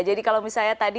jadi kalau misalnya tadi